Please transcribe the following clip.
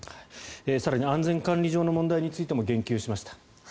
更に、安全管理上の問題についても言及しました。